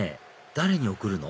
誰に贈るの？